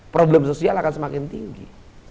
problem sosial akan semakin tinggi